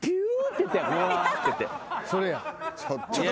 それや。